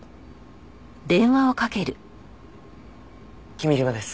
君嶋です。